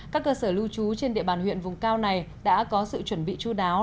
các cơ sở lưu trú trên địa bàn huyện vùng cao này đã có sự chuẩn bị chú đáo